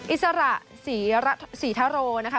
อิสระศรีทะโรนะคะ